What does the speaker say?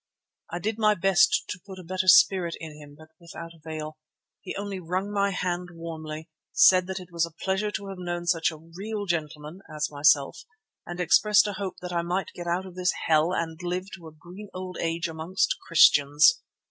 I did my best to put a better spirit in him but without avail. He only wrung my hand warmly, said that it was a pleasure to have known such a "real gentleman" as myself, and expressed a hope that I might get out of this hell and live to a green old age amongst Christians.